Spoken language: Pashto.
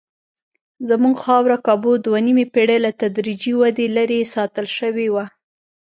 زموږ خاوره کابو دوه نیمې پېړۍ له تدریجي ودې لرې ساتل شوې وه.